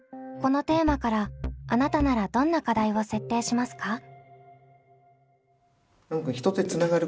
このテーマからあなたならどんな課題を設定しますか？